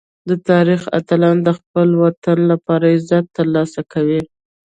د تاریخ اتلان د خپل وطن لپاره عزت ترلاسه کوي.